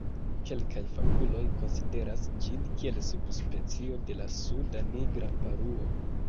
Kelkaj fakuloj konsideras ĝin kiel subspecio de la Suda nigra paruo.